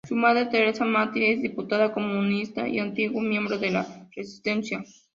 Su madre, Teresa Mattei, es diputada comunista y antiguo miembro de la Resistencia.